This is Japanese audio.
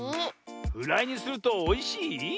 フライにするとおいしい？